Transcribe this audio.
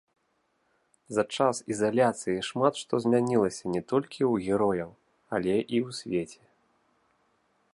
За час ізаляцыі шмат што змянілася не толькі ў герояў, але і ў свеце.